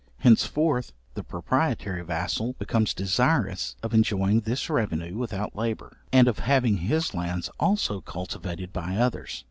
Henceforth the proprietary vassal becomes desirous of enjoying this revenue without labour, and of having his lands also cultivated by others.